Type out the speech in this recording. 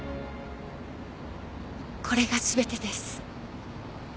これがすべてです